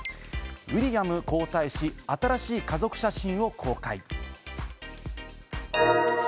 ウィリアム皇太子、新しい家族写真を公開。